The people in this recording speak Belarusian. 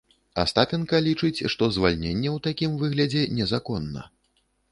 Астапенка лічыць, што звальненне ў такім выглядзе незаконна.